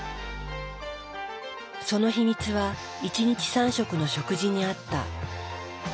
その秘密は一日三食の食事にあった。